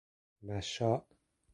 مَشاء